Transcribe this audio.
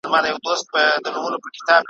ښه مي خړوب که په ژوند کي څه دي؟ `